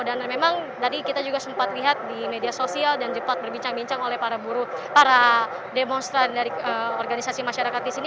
dan memang tadi kita juga sempat lihat di media sosial dan cepat berbincang bincang oleh para buruh para demonstran dari organisasi masyarakat di sini